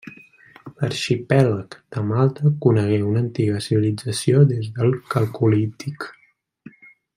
L'arxipèlag de Malta conegué una antiga civilització des del calcolític.